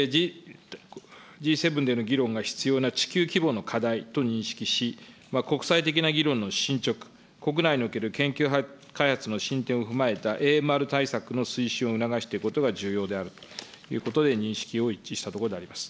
Ｇ７での議論が必要な地球規模の課題と認識し、国際的な議論の進捗、国内における研究会の進展を踏まえたＡＭＲ対策の推進を促していくことが重要であるということで認識を一致したところであります。